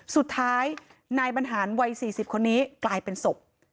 สุดท้ายนายบรรหารวัย๔๐คนนี้กลายเป็นศพ